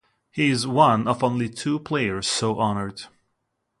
He is one of only two players so honored.